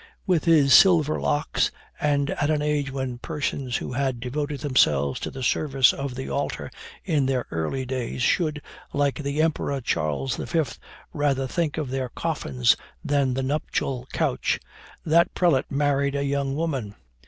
With his silver locks, and at an age when persons who had devoted themselves to the service of the altar in their early days, should, like the Emperor Charles V, rather think of their coffins than the nuptial couch, that prelate married a young woman.